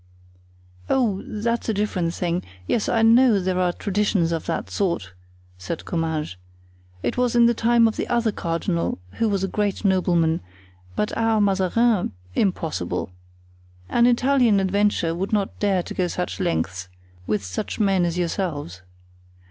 "Oh! that's a different thing; yes, I know there are traditions of that sort," said Comminges. "It was in the time of the other cardinal, who was a great nobleman; but our Mazarin—impossible! an Italian adventurer would not dare to go such lengths with such men as ourselves.